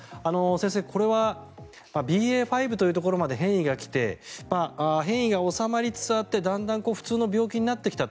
先生、これはＢＡ．５というところまで変異が来て変異が収まりつつあってだんだん普通の病気になってきた。